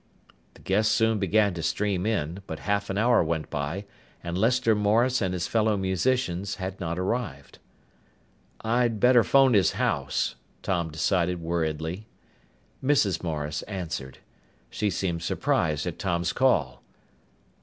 The guests soon began to stream in, but half an hour went by, and Lester Morris and his fellow musicians had not arrived. "I'd better phone his house," Tom decided worriedly. Mrs. Morris answered. She seemed surprised at Tom's call.